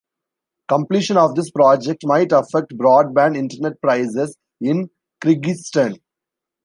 Completion of this project might affect broadband internet prices in Kyrgyzstan.